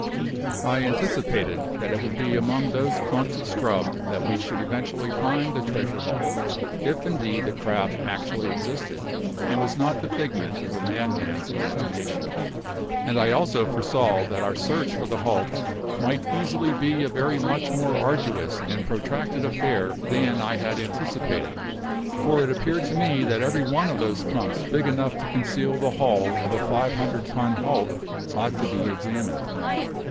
I anticipated that it would be among those clumps of scrub that we should eventually find the treasure hulk, if indeed the craft actually existed and was not the figment of a madman's imagination; and I also foresaw that our search for the hulk might easily be a very much more arduous and protracted affair than I had anticipated, for it appeared to me that every one of those clumps big enough to conceal the hull of a five hundred ton hulk ought to be examined.